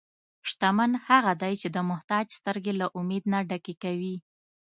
شتمن هغه دی چې د محتاج سترګې له امید نه ډکې کوي.